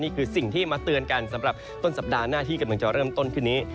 นี่คือสิ่งที่มาเตือนกันสำหรับต้นสัปดาห์หน้าที่กำลังจะเริ่มต้นขึ้นนี้